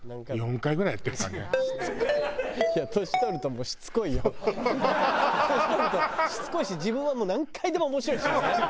年取るとしつこいし自分はもう何回でも面白いしね。